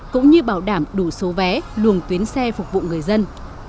cũng như bảo đảm đủ số vé luồng tuyến xe phục vụ người dân